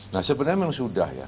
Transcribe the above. nah sebenarnya memang sudah ya